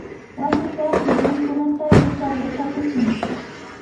Watapa killankunata yupar yatrakushun.